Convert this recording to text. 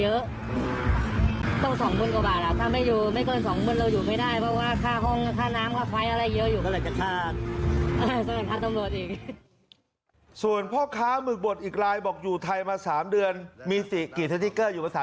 อ่อเฮ้ต้องปรับอีกเยอะต้อง๒มิตรกว่าบาทถ้าไม่เกิน๒มิตรเราอยู่ไม่ได้